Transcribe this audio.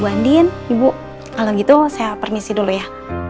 bu andin ibu kalau gitu saya permisi dulu ya